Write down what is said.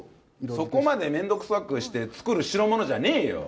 そこまでめんどくさくして、作るしろものじゃねえよ。